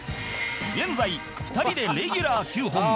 現在２人でレギュラー９本